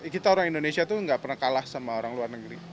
kita orang indonesia itu nggak pernah kalah sama orang luar negeri